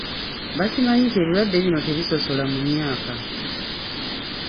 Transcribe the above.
Bakimanyi nti ebirwadde bino tebisosola mu myaka.